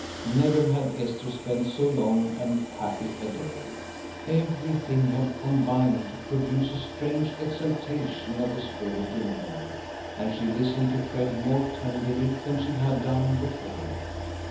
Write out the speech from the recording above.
Never had Esther spent so long and happy a day. Everything had combined to produce a strange exaltation of the spirit in her; and she listened to Fred more tenderly than she had done before.